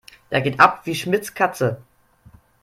Der geht ab wie Schmitz' Katze.